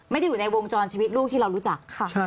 ไม่ได้อยู่ในวงจรชีวิตลูกที่เรารู้จัก